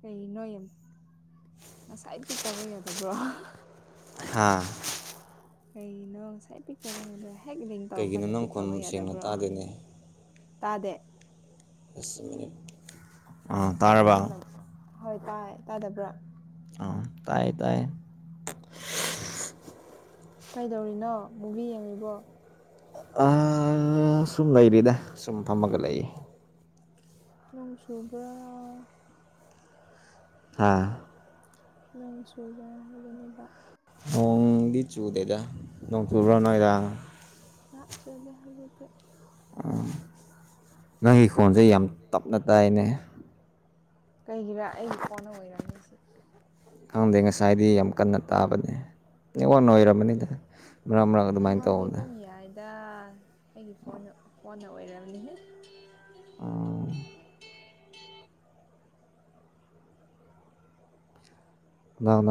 ꯀꯩ ꯅꯣ ꯉꯁꯥꯏ ꯄꯤꯛ ꯇꯧꯕ ꯌꯥꯗꯦ ꯌꯥꯗꯕꯔꯣ ꯑꯥ ꯀꯩꯒꯤꯅꯣ ꯉꯁꯥꯏ ꯄꯤꯛ ꯇꯧꯕ ꯉꯝꯗ꯭ꯔꯥ ꯍꯦꯛ ꯔꯤꯡ ꯇꯧꯔ ꯀꯥꯟꯗ ꯄꯤꯛ ꯇꯧꯕ ꯌꯥꯗꯕ꯭ꯔꯣ ꯇꯥꯗꯦ ꯑꯁ ꯆꯨꯨꯝꯃꯤꯅꯦ ꯁꯤ ꯍꯣꯏ ꯇꯥꯏ ꯇꯥꯗꯕ꯭ꯔꯥ ꯑ ꯇꯥꯏꯌꯦ ꯇꯥꯏ ꯏꯁ ꯀꯩꯗꯧꯔꯤꯅꯣ ꯃꯨꯚꯤ ꯌꯦꯡꯔꯤꯕꯣ ꯑ ꯁꯨꯝ ꯂꯩꯔꯤꯗ ꯁꯨꯝ ꯐꯝꯃꯒ ꯂꯩꯌꯦ ꯅꯣꯡ ꯆꯨꯕ꯭ꯔꯥ ꯍꯥ ꯅꯣꯡ ꯆꯨꯕ꯭ꯔꯥ ꯍꯥꯏꯕꯅꯤꯗ ꯅꯣꯡꯗꯤ ꯆꯨꯗꯦꯗ ꯅꯣꯡ ꯆꯨꯕ꯭ꯔꯣ ꯅꯣꯏꯗ ꯅꯥꯛ ꯆꯨꯨꯗꯦ ꯍꯧꯖꯤꯛꯇꯤ ꯅꯪꯒꯤ ꯈꯣꯟꯁꯦ ꯌꯥꯝ ꯇꯞꯅ ꯇꯥꯏꯅꯦ ꯀꯩꯒꯤꯔꯥ ꯑꯩꯒꯤ ꯐꯣꯟꯅ ꯑꯣꯏꯔꯝ ꯅꯤꯁꯦ ꯈꯪꯗꯦ ꯉꯁꯥꯏꯗꯤ ꯌꯥꯝ ꯀꯟꯅ ꯇꯥꯕꯅꯦ ꯅꯦꯠꯋꯥꯔꯛꯅ ꯑꯣꯏꯔꯝꯃꯅꯤꯗ ꯃꯔꯛ ꯃꯔꯛ ꯑꯗꯨꯃꯥꯏꯅ ꯇꯧꯕꯅꯦ ꯗ ꯑꯩꯒꯤ ꯐꯣꯟ ꯐꯣꯟꯅ ꯑꯣꯏꯔꯝꯅꯤꯅꯦ ꯑꯥ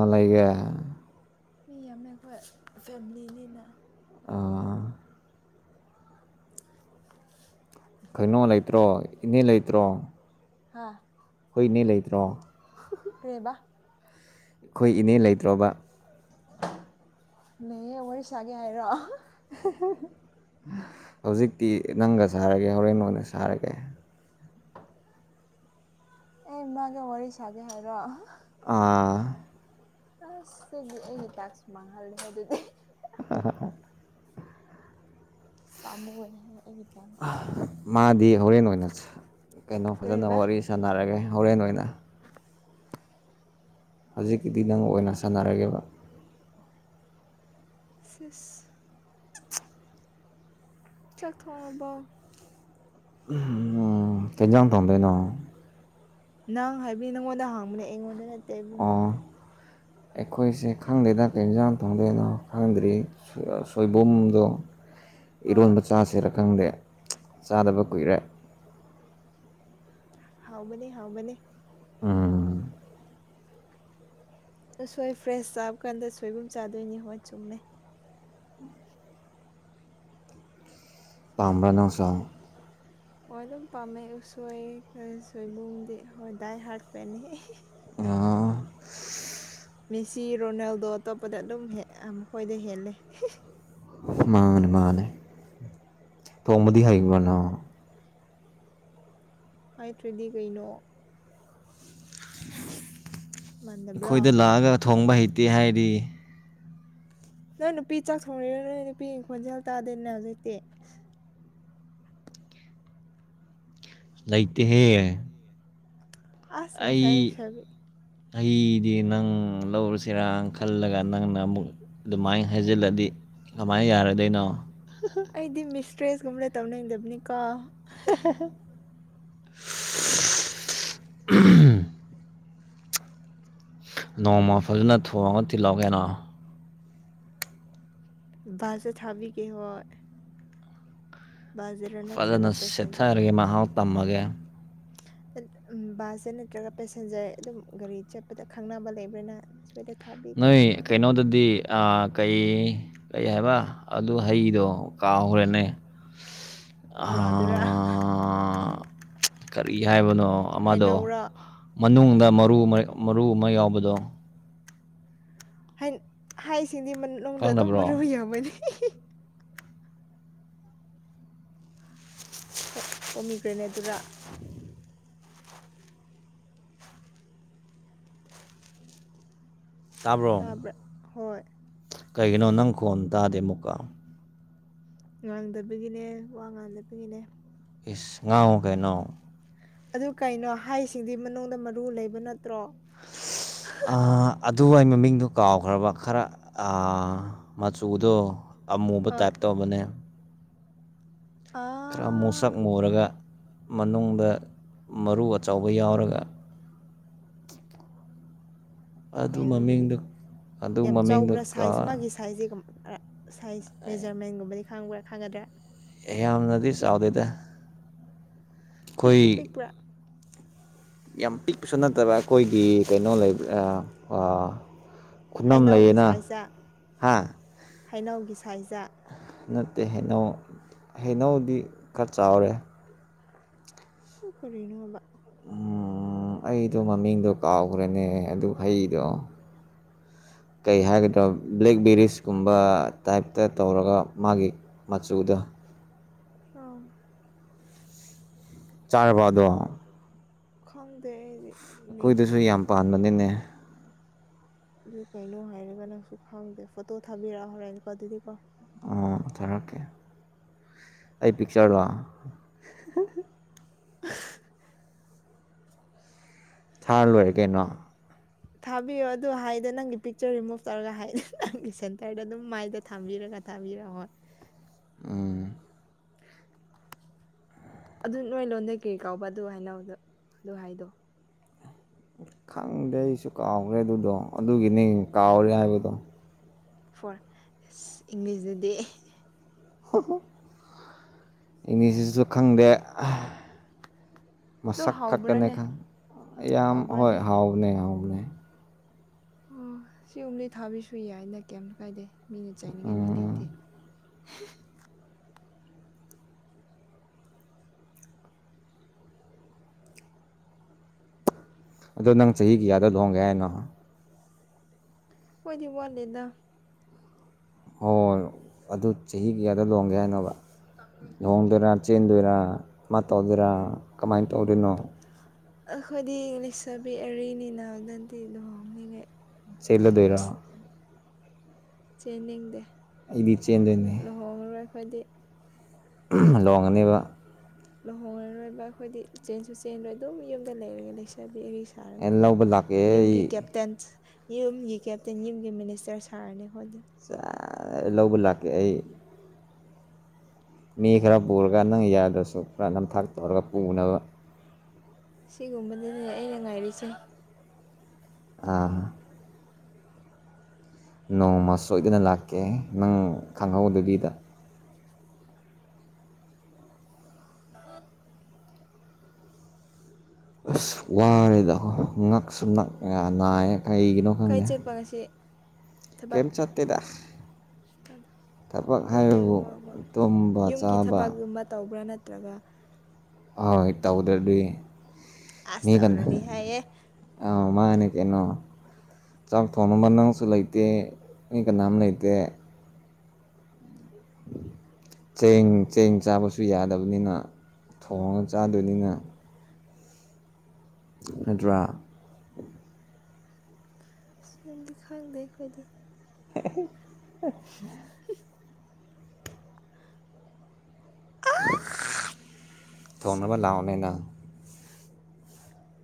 [unintelligible] ꯃꯤ ꯌꯥꯝꯃꯦ ꯑꯩꯈꯣꯏ ꯐꯦꯃꯤꯂꯤꯅꯤꯅ꯫ ꯑꯥ꯫ [unintelligible] ꯀꯩꯅꯣ ꯂꯩꯇ꯭ꯔꯣ ꯏꯅꯦ ꯂꯩꯇ꯭ꯔꯣ꯫ ꯍꯥꯥ꯫ ꯈꯣꯢ ꯏꯅꯦ ꯂꯩꯇ꯭ꯔꯣ꯫ ꯀꯩ ꯑꯕ꯫ ꯂꯩꯌꯦ ꯋꯥꯔꯤ ꯁꯥꯒꯦ ꯍꯥꯏꯔꯣ꯫ ꯍꯧꯖꯤꯛꯇꯤ ꯅꯪꯒ ꯁꯥꯔꯒꯦ ꯍꯣꯔꯦꯟ ꯑꯣꯏꯅ ꯁꯥꯔꯒꯦ꯫ ꯑꯦ ꯃꯥꯒꯥ ꯋꯥꯔꯤ ꯁꯥꯒꯦ ꯍꯥꯏꯔꯣ꯫ ꯑꯥ ꯑꯁ ꯑꯩꯒꯤ ꯑꯩꯒꯤ ꯇꯥꯛꯁ ꯃꯥꯡꯍꯜꯂꯦ ꯑꯗꯨꯗꯤ ꯑ ꯄꯥꯝꯃꯨꯕꯅꯦ ꯑꯩꯒꯤ ꯃꯥꯗꯤ ꯍꯣꯔꯦꯟ ꯑꯣꯏꯅ ꯀꯩꯅꯣ ꯐꯖꯅ ꯋꯥꯔꯤ ꯁꯥꯟꯅꯔꯒꯦ ꯍꯣꯔꯦꯟ ꯑꯣꯏꯅ ꯍꯧꯖꯤꯛꯀꯤꯗꯤ ꯅꯪ ꯑꯣꯏꯅ ꯁꯥꯟꯅꯔꯒꯦꯕ ꯁꯤꯁ ꯆꯥꯛ ꯊꯣꯡꯉꯕꯣ ꯎꯝ ꯀꯩꯖꯥꯡ ꯅꯪ ꯍꯥꯏꯕꯅꯤ ꯅꯪꯉꯣꯟꯗ ꯍꯥꯡꯕꯅꯦ ꯑꯩꯉꯣꯟꯗ ꯅꯠꯇꯦ ꯏꯕꯨꯡꯉꯣ ꯑꯩꯈꯣꯏꯁꯦ ꯈꯪꯗꯦꯗ ꯀꯩ ꯌꯦꯟꯁꯥꯡ ꯊꯣꯡꯗꯣꯏꯅꯣ ꯈꯪꯗ꯭ꯔꯤ ꯁꯣꯏꯕꯨꯝꯗꯣ ꯏꯔꯣꯟꯕ ꯆꯥꯁꯤꯔ ꯈꯪꯗꯦ ꯆꯥꯗꯕ ꯀꯨꯏꯔꯦ ꯍꯥꯎꯕꯅꯦ ꯍꯥꯎꯕꯅꯦ ꯎꯝ꯫ ꯎꯁꯣꯏ ꯐ꯭ꯔꯦꯁ ꯆꯥꯕ ꯀꯥꯟꯗ ꯁꯣꯏꯕꯨꯝ ꯆꯥꯗꯣꯏꯅꯤ ꯍꯣꯏ ꯆꯨꯝꯃꯦ꯫ ꯄꯥꯝꯕ꯭ꯔꯥ ꯅꯪꯁꯨ꯫ ꯍꯣꯏ ꯑꯗꯨꯝ ꯄꯥꯝꯃꯦ ꯎꯁꯣꯏ ꯈꯔ ꯁꯣꯏꯕꯨꯝꯗꯤ ꯍꯣꯏ ꯗꯥꯏ ꯍꯥꯔꯠ ꯐꯦꯟꯅꯦ ꯍꯦ ꯍꯦ ꯑꯥ꯫ ꯃꯦꯁꯤ ꯔꯣꯅꯥꯜꯗꯣ ꯑꯇꯣꯞꯄꯗ ꯑꯗꯨꯝ ꯍꯦꯛ ꯃꯈꯣꯏꯗ ꯍꯦꯜꯂꯦ꯫ ꯃꯥꯅꯦ ꯃꯥꯅꯦ ꯊꯣꯡꯕꯗꯤ ꯍꯩꯕ꯭ꯔꯣ ꯅꯪ꯫ ꯍꯥꯏꯇ꯭ꯔꯗꯤ ꯀꯩꯅꯣ꯫ ꯃꯥꯟꯗꯕ꯭ꯔꯣ ꯅꯪ ꯅꯨꯄꯤ ꯆꯥꯛ ꯊꯣꯡꯅꯤꯔꯣ ꯅꯣꯏ ꯅꯨꯄꯤꯒꯤ ꯈꯣꯟꯖꯦꯜ ꯇꯥꯗꯦꯅꯦ ꯍꯧꯖꯤꯛꯇꯤ꯫ ꯂꯩꯇꯦꯍꯦ꯫ ꯑꯩ꯫ ꯇꯩꯗꯤ ꯅꯪ ꯂꯧꯔꯨꯁꯤꯔꯥ ꯈꯜꯂꯒ ꯅꯪꯅ ꯑꯃꯨꯛ ꯑꯗꯨꯃꯥꯏꯅ ꯍꯥꯏꯖꯤꯜꯂꯗꯤ ꯀꯃꯥꯏꯅ ꯌꯥꯔꯗꯣꯏꯅꯣ ꯑꯩꯗꯤ ꯃꯤꯁꯇ꯭ꯔꯦꯁꯀꯨꯝꯕ ꯗ ꯇꯧꯅꯤꯡꯗꯕꯅꯤꯀꯣ꯫ ꯍꯥꯍꯥ [inaudible] ꯅꯣꯡꯃ ꯐꯖꯅ ꯊꯣꯡꯉꯒ ꯇꯤꯍꯧ ꯀꯩꯅꯣ꯫ ꯕꯥꯁꯦꯁ ꯊꯕꯤ ꯒꯦ ꯍꯣ꯫ ꯐꯖꯅ ꯁꯦꯠꯊꯔꯒꯦ ꯃꯍꯥꯎ ꯇꯝꯃꯒꯦ꯫ ꯕꯥꯁꯁꯦ ꯅꯠꯇ꯭ꯔꯒ ꯄꯦꯁꯦꯟꯖꯔ ꯑꯗꯨꯝ ꯒꯥꯔꯤ ꯆꯠꯄꯗ ꯈꯪꯅꯕ ꯂꯩꯕ꯭ꯔꯅ꯫ ꯁꯋꯦꯗꯠ ꯅꯣꯏ ꯀꯩꯅꯣꯗꯨꯗꯤ ꯑ ꯀꯩ ꯀꯩ ꯍꯥꯏꯕ ꯑꯗꯨ ꯍꯩꯗꯣ ꯀꯥꯎꯔꯦꯅꯦ ꯑꯥ.... ꯀꯔꯤ ꯍꯥꯏꯕꯅꯣ ꯑꯃꯗꯣ ꯃꯅꯨꯡꯗ ꯃꯔꯨ ꯃꯔꯨ ꯑꯃ ꯌꯥꯎꯕꯗꯣ꯫ ꯍꯥꯏ ꯍꯥꯏꯁꯤꯗꯤ ꯃꯅꯨꯡꯗ ꯑꯗꯨꯝ ꯃꯔꯨ ꯌꯥꯝꯕꯅꯤ ꯍꯤ ꯍꯤ ꯄꯣꯝꯃꯤꯈ꯭ꯔꯦꯅꯦ ꯑꯗꯨꯔ ꯇꯥꯕ꯭ꯔꯥ ꯍꯣꯏ ꯀꯩꯒꯅꯣ ꯅꯪꯈꯣꯣꯟ ꯇꯗꯥꯗꯦ ꯃꯨꯀꯥ ꯉꯥꯡꯗꯕꯒꯤꯅꯦ ꯋꯥ ꯉꯥꯡꯗꯕꯒꯤꯅꯦ ꯏꯁ ꯉꯥꯎ ꯑꯗꯨ ꯀꯩꯅꯣ ꯍꯥꯏꯁꯤꯡꯗꯤ ꯃꯅꯨꯡꯗ ꯃꯔꯨ ꯂꯩꯕ ꯅꯠꯇ꯭ꯔꯣ ꯑꯗꯨ ꯑꯩ ꯃꯃꯤꯡꯗꯨꯣ ꯀꯥꯎꯈ꯭ꯔꯕ ꯈꯔ ꯃꯆꯨꯗꯣ ꯑꯃꯨꯕ ꯇꯥꯏꯞ ꯇꯧꯕꯅꯦ ꯑꯥ ꯈꯔ ꯃꯣꯠꯁꯛ ꯃꯨꯔꯒ ꯃꯅꯨꯡꯗ ꯃꯔꯨ ꯑꯆꯕ ꯌꯥꯎꯔꯒ ꯀꯩꯅꯣꯗꯨꯗꯤ ꯌꯥꯝ ꯆꯥꯎꯕ꯭ꯔꯥ ꯁꯥꯏꯖ ꯃꯥꯒꯤ ꯁꯥꯏꯖꯁꯤꯒꯨꯝꯕ ꯁꯥꯏꯖ ꯃꯦꯖꯔꯃꯦꯟꯒꯨꯝꯕꯗꯤ ꯈꯪꯕ꯭ꯔꯥ ꯈꯪꯒꯗ꯭ꯔꯥ꯫ ꯑꯦ ꯌꯥꯝꯅꯗꯤ ꯆꯥꯎꯗꯦꯗ꯫ ꯈꯣꯢ ꯌꯥꯝ ꯄꯤꯛꯄꯁꯨ ꯅꯠꯇꯕ ꯑꯩꯈꯣꯏꯒꯤ ꯀꯩꯅꯣ ꯂꯩꯕ ꯑ ꯍꯩꯅꯎꯒꯤ ꯁꯥꯏꯖ ꯍꯩꯅꯎꯒꯤ ꯁꯥꯏꯖꯥ꯫ ꯅꯠꯇꯦ ꯍꯩꯅꯧ ꯍꯩꯅꯧꯗꯤ ꯈꯥ ꯆꯥꯎꯔꯦ꯫ ꯀꯔꯤꯅꯣꯕ꯫ ꯎꯝ ꯑꯩꯗꯣ ꯃꯃꯤꯡꯗꯣ ꯀꯥꯎꯒ꯭ꯔꯦꯅꯦ ꯑꯗꯨ ꯍꯩꯗꯣ꯫ ꯀꯩ ꯍꯥꯏꯒꯗ꯭ꯔꯥ ꯕ꯭ꯂꯦꯛꯕꯦꯔꯤꯁꯀꯨꯝꯕ ꯇꯥꯏꯞꯇ ꯇꯧꯔꯒ ꯃꯥꯒꯤ ꯃꯆꯨꯗ ꯑꯥ꯫ ꯇꯔꯕꯣ ꯑꯗꯣ ꯈꯪꯗꯦ ꯑꯩꯗꯤ꯫ ꯑꯈꯣꯏꯗꯁꯨ ꯌꯥꯝ ꯄꯥꯟꯕꯅꯦꯅꯦ꯫ ꯑꯗꯨ ꯀꯩꯅꯣ ꯍꯥꯏꯔꯒ ꯅꯪꯁꯨ ꯈꯪꯗꯦ ꯐꯣꯇꯣ ꯊꯥꯕꯤꯔꯛꯑꯣ ꯍꯣꯔꯦꯟꯅꯀꯣ ꯑꯗꯨꯗꯤ ꯀꯣ ꯑꯣ ꯊꯔꯛꯀꯦ ꯑꯩ ꯄꯤꯛꯆꯔꯛꯑꯣ ꯊꯥꯔ ꯂꯣꯏꯔꯦ ꯀꯩꯅꯣ ꯊꯥꯕꯤꯌꯣ ꯑꯗꯨ ꯍꯥꯏꯗꯤ ꯅꯪꯒꯤ ꯄꯤꯛꯆꯔ ꯔꯤꯃꯨꯚ ꯇꯧꯔꯒ ꯍꯥꯏ ꯅꯪꯒꯤ ꯁꯦꯟꯇꯔꯗ ꯑꯗꯨꯝ ꯃꯥꯏꯗ ꯊꯥꯕꯤꯔꯒ ꯇꯥꯕꯤꯔꯛꯝꯃꯣ ꯎꯝ ꯑꯗꯨ ꯅꯣꯏ ꯂꯣꯟꯗꯩ ꯀꯔꯤ ꯀꯥꯎꯕ ꯑꯗꯨ ꯍꯥꯏꯅꯧꯗ ꯑꯗꯨ ꯍꯥꯏꯗꯣ ꯈꯪꯗꯦ ꯑꯩꯁꯨ ꯀꯥꯎꯈ꯭ꯔꯦ ꯑꯗꯨꯗꯣ ꯑꯗꯨꯒꯤꯅꯦ ꯀꯥꯎꯔꯦ ꯍꯥꯏꯕꯗꯣ ꯐꯣꯔ ꯑꯁ ꯏꯪꯂꯤꯁꯗꯗꯤ ꯏꯪꯂꯤꯁꯤꯁꯤꯁꯨ ꯈꯪꯗꯦ ꯃꯁꯛ ꯈꯛꯀꯅꯤ ꯈꯪ ꯌꯥꯝ ꯍꯣꯏ ꯍꯥꯎꯋ ꯄꯨꯅꯦꯌꯥꯝꯅꯦ ꯑꯣ ꯁꯤꯒꯝꯗꯤ ꯊꯥꯕꯤꯁꯨ ꯌꯥꯏꯅ ꯀꯩꯝꯇ ꯀꯥꯏꯗꯦ ꯃꯤꯅ ꯆꯥꯏꯅꯤꯡꯉꯥꯏ ꯃꯤ ꯂꯩꯇꯦ ꯑꯗꯣ ꯅꯪ ꯆꯍꯤꯍꯤ ꯀꯌꯥꯗꯗꯣꯡꯒ ꯌꯥ ꯅꯍ ꯍꯣꯏꯗꯤ ꯋꯥꯂꯗ ꯍꯣꯏ ꯑꯗꯨ ꯆꯍꯤ ꯀꯌꯥꯗ ꯂꯣꯡꯒꯦ ꯍꯥꯏꯅꯣꯕ ꯂꯨꯣꯡꯗꯣꯏꯔꯥ ꯆꯦꯟꯗꯣꯏꯔꯥ ꯃꯥ ꯇꯧꯗꯣꯏꯔꯥ ꯀꯃꯥꯏꯅ ꯇꯧꯔꯤꯅꯣ ꯑꯩꯈꯣꯏꯗꯤ ꯏꯪꯂꯤꯁ ꯆꯕꯤꯑꯔꯤꯅꯤꯅ ꯑꯗꯨꯗꯗꯤ ꯑꯗꯨꯝꯍꯣꯡꯅꯤꯡꯉꯦ ꯁꯤꯂꯗꯣꯏꯔ ꯆꯦꯟꯅꯤꯡꯗꯦ ꯑꯩꯗꯤ ꯆꯦꯟꯗꯣꯏꯅꯤ ꯍꯣꯡꯔꯋ ꯈꯣꯏꯗꯤ ꯂ ꯋꯥꯉꯅꯤꯕ ꯂꯨꯍꯣꯡꯉꯔꯣꯏꯕ ꯑꯩꯈꯣꯏꯗꯤ ꯆꯦꯟꯁꯨ ꯆꯦꯟꯗꯣꯏ ꯑꯗꯨꯝ ꯌꯨꯝꯗ ꯂꯩꯔꯒ ꯂꯩꯁꯕꯤꯔꯤ ꯁꯥꯔꯒꯀꯣ ꯌꯨꯝꯒꯤ ꯀꯦꯞꯇꯦꯟꯁ ꯌꯨꯝꯒꯤ ꯀꯦꯞꯇꯦꯟ ꯌꯨꯝꯒꯤ ꯃꯤꯅꯤꯁꯇꯔ ꯁꯥꯔꯅꯤ ꯍꯣꯣꯏ ꯑꯗꯨ ꯂꯧꯒꯨ ꯂꯥꯛꯒ ꯑꯩ ꯃꯤ ꯈꯔ ꯄꯨꯔꯒ ꯅꯪ ꯌꯥꯗ꯭ꯔꯁꯨ ꯈꯔ ꯅꯝꯊꯥꯛ ꯇꯧꯔꯒ ꯄꯨꯅꯕ ꯁꯤꯒꯨꯝꯕꯗꯅꯦ ꯑꯩꯅ ꯉꯥꯏꯔꯤꯁꯦ ꯑꯥ ꯅꯣꯡꯃ ꯁꯣꯏꯗꯅ ꯂꯥꯛꯀꯦ ꯅꯪ ꯈꯪꯍꯧꯗꯕꯤꯗ ꯍꯠ ꯑꯁ ꯋꯥꯔꯦꯗꯣꯏ ꯉꯛ ꯁꯨꯝ ꯅꯛ ꯅꯥꯏꯌꯦ ꯀꯩꯒꯤꯅꯣ ꯈꯪꯗꯦ ꯁꯤ ꯀꯦꯦꯝꯆꯠꯇꯇꯦꯗꯥꯁ ꯊꯕꯛ ꯍꯥꯏꯕꯕꯨ ꯇꯣꯝꯕ ꯆꯥꯕ ꯇꯨꯝꯕ ꯇꯧꯕ꯭ꯔꯥ ꯅꯠꯇ꯭ꯔꯒ ꯑꯣꯏ ꯇꯧꯗ꯭ꯔꯗꯤ ꯃꯤ ꯀꯟꯅ ꯑ ꯃꯥꯛꯦꯩꯅꯣ ꯆꯥꯛ ꯊꯣꯡꯅꯕ ꯅꯪꯁꯨ ꯂꯩꯇꯦ ꯃꯤ ꯀꯅꯥꯝ ꯂꯩꯇꯦ ꯆꯦꯡ ꯆꯦꯡ ꯆꯥꯕꯁꯨ ꯌꯥꯗꯕꯅꯤꯅ ꯊꯣꯡꯉꯒ ꯆꯥꯗꯣꯏꯅꯤꯅ ꯅꯠꯇ꯭ꯔꯥ ꯑ ꯁꯤꯨꯝꯗꯤ ꯈꯪꯗꯦ ꯑꯩꯈꯣꯏꯗꯤ [unintelligible] ꯑ ꯊꯧꯅꯕ ꯂꯥꯛꯑꯣꯅꯤꯅ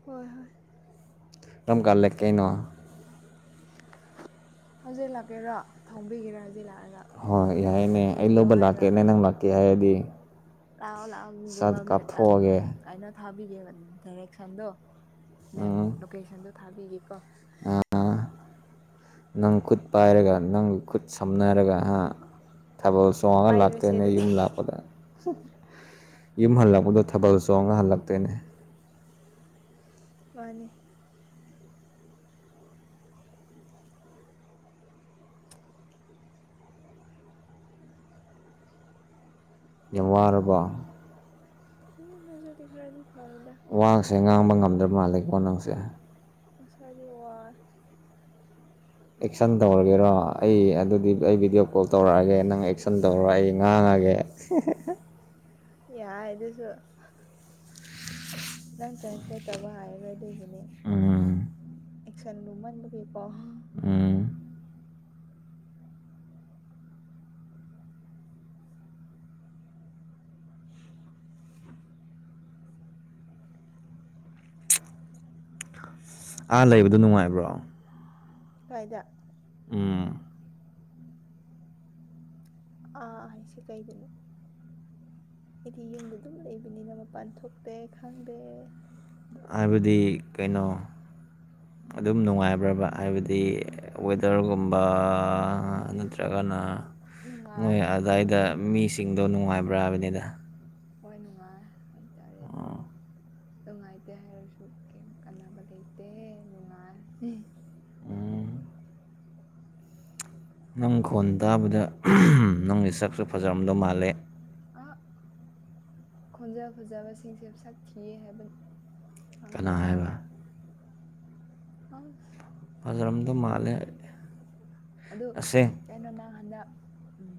ꯍꯣꯏ ꯍꯣꯏ ꯍꯧꯖꯤꯛ ꯂꯥꯛꯀꯦꯔꯣ ꯊꯥꯡꯕꯤꯒꯦꯔꯥ ꯍꯧꯖꯤꯛ ꯂꯥꯛꯑꯒ ꯍꯣꯏ ꯌꯥꯏꯅꯦ ꯑꯩ ꯂꯧꯕ ꯂꯥꯛꯀꯦꯅꯦ ꯅꯪ ꯂꯥꯛꯀꯦ ꯍꯥꯏꯔꯗꯤ ꯂꯥꯛꯑꯣ ꯂꯥꯛꯑꯣꯒꯨꯒꯜ ꯃꯦꯞꯨ ꯀꯥꯏꯅ ꯊꯥꯕꯤꯒꯦꯕ ꯗꯥꯏꯔꯦꯛꯁꯟꯗꯣ ꯃꯦꯞ ꯂꯣꯀꯦꯁꯟꯗꯣ ꯊꯥꯕꯤꯒꯦꯀꯣ ꯅꯪ ꯈꯨꯨꯠꯄꯔꯒ ꯅꯪ ꯈꯨꯠ ꯁꯝꯅꯔꯒ ꯍꯥ ꯊꯥꯕꯜ ꯆꯣꯡꯉꯒ ꯂꯥꯛꯇꯦꯅꯦ ꯌꯨꯝ ꯂꯥꯛꯄꯗ ꯌꯨꯝ ꯍꯜꯂꯛꯄꯗꯣ ꯊꯕꯜ ꯆꯣꯡꯉ ꯍꯜꯂꯛꯇꯣꯏꯅꯦ ꯃꯥꯅꯤ ꯔ ꯎꯝ ꯅꯁꯗꯤ ꯈꯔꯗꯤ ꯈꯔꯗ ꯋꯥꯁꯦ ꯉꯥꯡꯕ ꯉꯝꯗ꯭ꯔꯕ ꯃꯥꯜꯂꯦꯀꯣ ꯅꯪꯁꯦ ꯃꯁꯥꯏꯗꯤ ꯋꯥ ꯑꯦꯛꯁꯟ ꯇꯧꯔꯒꯦꯔꯣ ꯑꯩ ꯑꯗꯨꯗꯤ ꯑꯩ ꯚꯤꯗꯤꯑꯣ ꯀꯣꯜ ꯇꯧꯔꯛꯑꯒꯦ ꯅꯪ ꯑꯦꯛꯁꯟ ꯇꯧꯔ ꯑꯩ ꯉꯥꯡꯉꯒꯦ [unintelligible] ꯌꯥꯏꯁꯨꯣ ꯅꯪ ꯇ꯭ꯔꯥꯟꯁꯂꯦꯠ ꯇꯕ ꯍꯥꯏꯔꯣ ꯑꯗꯨꯒꯤꯅꯦ ꯑꯦꯛꯁꯟ ꯂꯨꯃꯟꯗꯨꯕꯤꯀꯣ ꯑꯥ ꯂꯩꯕꯗꯨꯣ ꯅꯨꯡꯉꯥꯏꯕ꯭ꯔꯣ ꯀꯥꯏꯗ ꯑꯦ ꯑꯥ ꯁꯤꯦ ꯀꯩꯗꯅꯣ ꯑꯩꯗꯤ ꯌꯨꯝꯗ ꯑꯗꯨꯝ ꯂꯩꯕꯅꯤꯅ ꯃꯄꯥꯟ ꯊꯣꯛꯇꯦ ꯈꯪꯗꯦ ꯍꯥꯏꯕꯗꯤ ꯀꯩꯅꯣ ꯑꯗꯨꯝ ꯅꯨꯡꯉꯥꯏꯕ꯭ꯔꯕ ꯍꯥꯏꯕꯗꯤ ꯋꯦꯗꯔꯒꯨꯝꯕ ꯅꯠꯇ꯭ꯔꯒꯅ ꯅꯣꯏ ꯑꯗꯨꯋꯥꯏꯗ ꯃꯤꯁꯤꯡꯗꯣ ꯅꯨꯡꯉꯥꯏꯕ꯭ꯔꯥꯕꯅꯤꯗ ꯍꯣꯏ ꯅꯨꯡꯉꯥꯏ ꯍꯥꯏꯇꯥꯔꯦ ꯑꯗꯨꯅ ꯅꯨꯡꯉꯥꯏꯇꯦ ꯍꯥꯏꯔꯁꯨ ꯀꯩ ꯀꯥꯟꯅꯕ ꯂꯩꯇꯦ ꯅꯨꯡꯉꯥꯏ ꯅꯪ ꯈꯣꯟ ꯇꯥꯕꯗ ꯅꯪꯒꯤ ꯁꯛꯁꯨ ꯐꯖꯔꯝꯗꯧ ꯃꯥꯜꯂꯦ ꯑ ꯈꯣꯟꯖ ꯐꯖꯕꯁꯤꯡꯁꯦ ꯁꯛ ꯊꯤꯑ ꯍꯥꯏꯕ ꯀꯅꯥ ꯍꯥꯏꯕ ꯍꯁ ꯐꯖꯔꯝꯗꯧ ꯃꯥꯜꯂꯦ ꯑꯗꯨ ꯀꯩꯅꯣ ꯅꯪ ꯍꯟꯗꯛ ꯎꯝ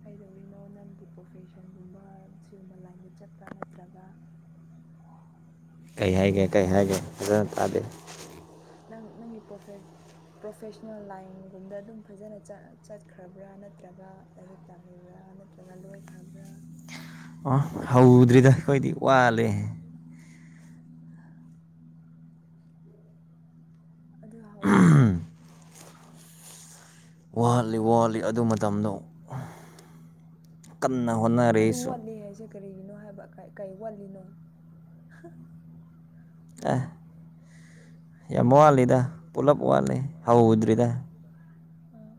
ꯀꯩꯗꯧꯔꯤꯅꯣ ꯅꯪꯒꯤ ꯄ꯭ꯔꯣꯐꯦꯁꯟꯒꯨꯝꯕ ꯁꯤꯒꯨꯝꯕ ꯂꯥꯏꯟꯗ ꯆꯠꯄ꯭ꯔꯥ ꯅꯠꯇ꯭ꯔꯒ ꯀꯩ ꯍꯥꯏꯒꯦ ꯀꯩ ꯍꯥꯏꯒꯦ ꯐꯖꯅ ꯇꯥꯗꯦ ꯅꯪ ꯅꯪꯒꯤ ꯄ꯭ꯔꯣꯐꯦ ꯄ꯭ꯔꯣꯐꯦꯁꯅꯦꯜ ꯂꯥꯏꯟꯒꯨꯝꯗ ꯑꯗꯨꯝ ꯐꯖꯅ ꯆꯠꯈ꯭ꯔꯕ꯭ꯔꯥ ꯅꯠꯇ꯭ꯔꯒ ꯂꯥꯏꯔꯤꯛ ꯇꯝꯂꯤꯕ꯭ꯔꯥ ꯅꯠꯇ꯭ꯔꯒ ꯂꯣꯏꯈ꯭ꯔꯕ꯭ꯔꯥ ꯑ ꯍꯧꯗ꯭ꯔꯤꯗ ꯑꯩꯈꯣꯏꯗꯤ ꯋꯥꯠꯂꯦ ꯑꯗꯨ ꯍꯧꯔꯨꯁꯦ ꯋꯥꯍꯜꯂꯤ ꯋꯥꯍꯜꯂꯤ ꯑꯗꯨ ꯃꯇꯝꯗꯣ ꯀꯟꯅ ꯍꯣꯠꯅ ꯑꯗꯨ ꯋꯥꯠꯂꯤ ꯍꯥꯏꯁꯦ ꯀꯔꯤꯒꯤꯅꯣ ꯍꯥꯏꯕ ꯀꯩ ꯋꯥꯠꯂꯤꯅꯣ ꯑꯦ ꯌꯥꯝ ꯋꯥꯠꯂꯤꯗ ꯄꯨꯂꯞ ꯋꯥꯠꯂꯤ ꯍꯧꯗ꯭ꯔꯤꯗ ꯎꯝ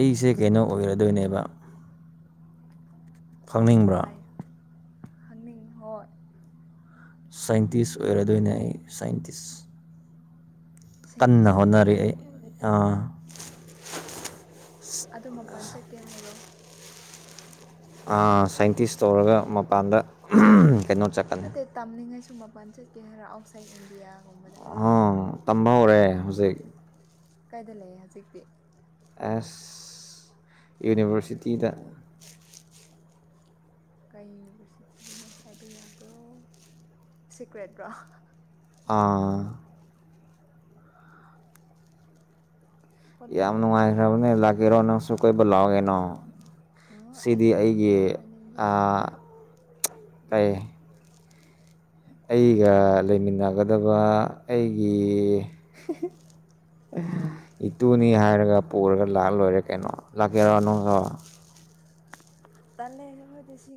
ꯑꯩꯁꯦ ꯀꯩꯅꯣ ꯑꯣꯏꯒ꯭ꯔꯗꯣꯏꯅꯦꯕ ꯍꯥꯏ ꯈꯪꯅꯤꯡꯉ ꯍꯣꯏ ꯁꯥꯏꯟꯇꯤꯁ ꯑꯣꯏꯔꯗꯣꯏꯅꯦ ꯑꯩ ꯁꯥꯏꯟꯇꯤꯁ ꯀꯟꯅ ꯍꯣꯠꯅꯔꯤ ꯑꯩ ꯑꯥ ꯑꯗꯨ ꯃꯄꯥꯟ ꯆꯠꯀꯦ ꯍꯥꯏꯔꯣ꯫ ꯁꯥꯏꯟꯇꯤꯁ ꯇꯧꯔꯒ ꯃꯄꯥꯟꯗ ꯀꯩꯅꯣ ꯆꯠꯀꯅꯤ ꯫ ꯇꯝꯂꯤꯉꯩꯁꯨ ꯃꯄꯥꯟ ꯆꯠꯀꯦ ꯍꯥꯏꯔꯣ ꯑꯥꯎꯠꯁꯥꯏꯠ ꯏꯟꯗꯤꯌꯥ ꯫ ꯑ ꯇꯝꯕ ꯍꯧꯔꯦ ꯍꯧꯖꯤꯛ ꯫ ꯀꯥꯏꯗ ꯂꯩꯑꯦ ꯍꯧꯖꯤꯛꯇꯤ ꯫ ꯑꯦꯁ ꯌꯨꯅꯤꯚꯔꯁꯤꯇꯤꯗ ꯀꯩ ꯌꯨꯅꯤꯚꯔꯁꯤꯇꯤꯗꯅꯣ ꯍꯥꯏꯕ ꯌꯥꯕ꯭ꯔꯣ ꯁꯤꯀ꯭ꯔꯦꯠꯂꯣ ꯫ ꯑꯥ ꯍꯣꯠꯅꯔꯣ [unintelligible] ꯑꯩꯗꯤ ꯑꯩꯒꯤ ꯑꯥ ꯀꯩ ꯑꯩꯒ ꯂꯩꯃꯤꯟꯅꯒꯗꯕ ꯑꯩꯒꯤ [unintelligible] ꯏꯇꯨꯅꯤ ꯍꯥꯏꯔꯒ ꯄꯨꯔꯒ ꯂꯥꯛꯑ ꯂꯣꯏꯔꯦ ꯀꯩꯅꯣ ꯂꯥꯛꯀꯦꯔꯣ ꯅꯪꯁꯨ ꯫ ꯇꯜꯂꯦ ꯑꯈꯣꯏꯗꯤꯁꯤ